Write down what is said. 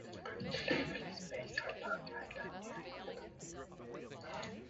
The label is based on Long Island, New York.